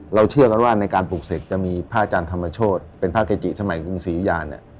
เชื่อกันว่าในการปลูกเสกจะมีพระอาจารย์ธรรมโชธเป็นพระเกจิสมัยกรุงศรียุยาเนี่ย